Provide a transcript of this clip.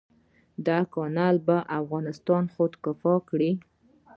دا کانال به افغانستان خودکفا کړي.